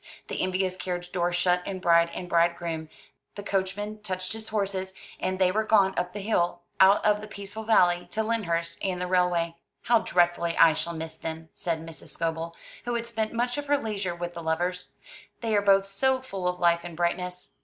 The envious carriage door shut in bride and bride groom, the coachman touched his horses, and they were gone up the hill, out of the peaceful valley, to Lyndhurst and the railway. "How dreadfully I shall miss them," said Mrs. Scobel, who had spent much of her leisure with the lovers. "They are both so full of life and brightness!"